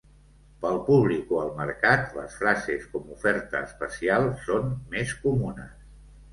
Pel públic o el mercat, les frases com "oferta especial" són més comunes.